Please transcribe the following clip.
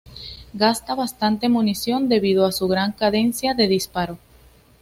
Gasta bastante munición debido a su gran cadencia de disparo.